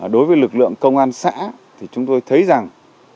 đối với lực lượng công an xã thì chúng tôi thấy rằng